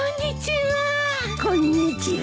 こんにちは。